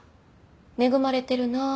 「恵まれてるな」